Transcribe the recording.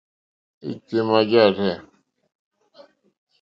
Ìkémà yàrzɛ̂.